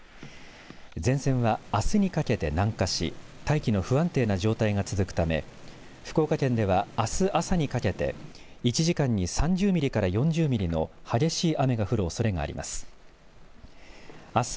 前線は、あすにかけて南下し大気の不安定な状態が続くため福岡県ではあす朝にかけて１時間に３０ミリから４０ミリの激しい雨が降るおそれがあります。